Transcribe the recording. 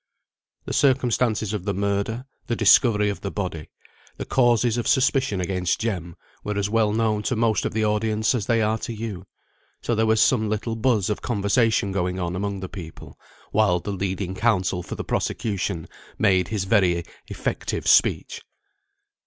The circumstances of the murder, the discovery of the body, the causes of suspicion against Jem, were as well known to most of the audience as they are to you, so there was some little buzz of conversation going on among the people while the leading counsel for the prosecution made his very effective speech.